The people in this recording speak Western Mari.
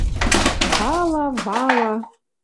Вала, вала